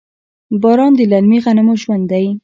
باران د للمي غنمو ژوند دی.